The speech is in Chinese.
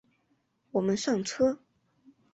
我们上车